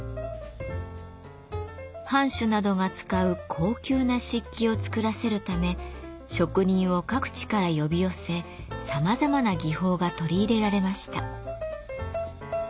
藩主などが使う高級な漆器を作らせるため職人を各地から呼び寄せさまざまな技法が取り入れられました。